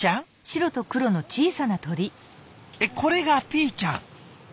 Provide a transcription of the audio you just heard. えっこれがピーちゃん。